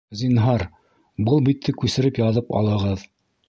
Зинһар, был битте күсереп яҙып алығыҙ